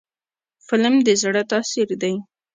فلم د زړه تاثیر دی